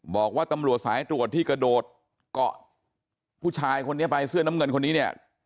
บอกว่าตำรวจสายตรวจที่กระโดดเกาะผู้ชายคนนี้ไปเสื้อน้ำเงินคนนี้เนี่ย